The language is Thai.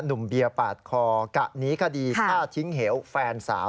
หนุ่มเบียบปาดคอกะนี้คดีช่าทิ้งเหลวแฟนสาว